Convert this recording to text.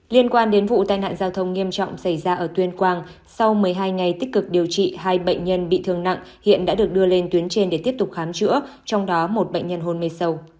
liên quan đến vụ tai nạn giao thông nghiêm trọng xảy ra ở tuyên quang sau một mươi hai ngày tích cực điều trị hai bệnh nhân bị thương nặng hiện đã được đưa lên tuyến trên để tiếp tục khám chữa trong đó một bệnh nhân hôn mê sâu